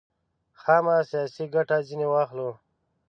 خامه سیاسي ګټه ځنې واخلو.